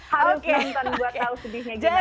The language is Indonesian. harus nonton buat tau sedihnya gimana